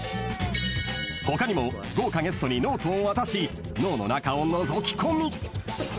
［他にも豪華ゲストにノートを渡し脳の中をのぞきこみ］